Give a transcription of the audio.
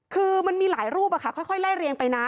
คือมันมีหลายรูปค่อยไล่เรียงไปนะ